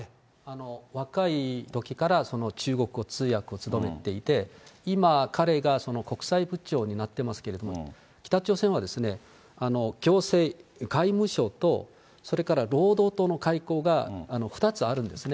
若いときから中国語通訳を務めていて、今、彼が国際部長になっていますけど、北朝鮮は、行政、外務省とそれから労働党の外交が２つあるんですね。